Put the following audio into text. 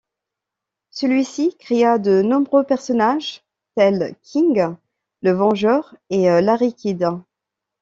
Celui-ci créa de nombreux personnages, tels King le vengeur et Larry Kid.